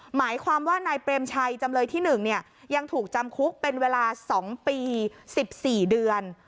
หมายความว่านายเปรมชัยจำเลยที่หนึ่งเนี่ยยังถูกจำคุกเป็นเวลาสองปีสิบสี่เดือน